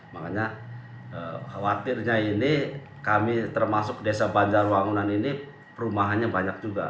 makanya khawatirnya ini kami termasuk desa banjarwangunan ini perumahannya banyak juga